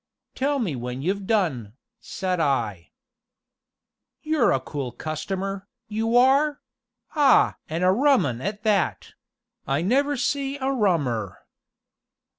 "Tell me when you've done!" said I. "You're a cool customer, you are ah! an' a rum un' at that I never see a rummer."